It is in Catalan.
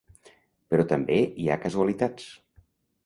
Però també hi ha casualitats.